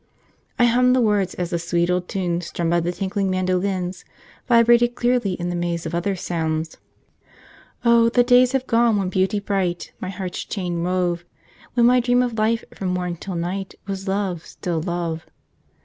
I hummed the words as the sweet old tune, strummed by the tinkling mandolins, vibrated clearly in the maze of other sounds: 'Oh! the days have gone when Beauty bright My heart's chain wove; When my dream of life from morn till night Was Love, still Love.